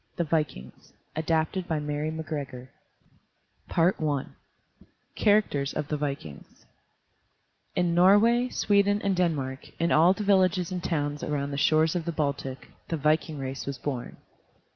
THE VIKINGS ADAPTED BY MARY MACGREGOR I CHARACTERS OF THE VIKINGS In Norway, Sweden, and Denmark, in all the villages and towns around the shores of the Baltic, the viking race was born.